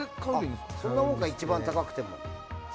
そんなもんか一番高くても。